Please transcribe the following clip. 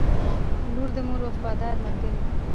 • لور د مور وفاداره ملګرې وي.